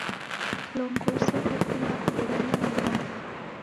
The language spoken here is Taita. Kilongozi waw'ekunda kudedanya na w'anake.